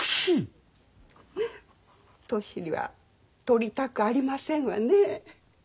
年は取りたくありませんわね。